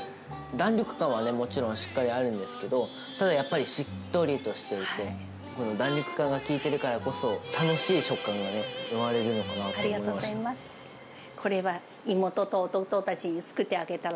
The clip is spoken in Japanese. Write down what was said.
弾力感はもちろんしっかりあるんですけど、ただやっぱり、しっとりとしていて、この弾力感が効いてるからこそ、楽しい食感が生まれるのかなと思いました。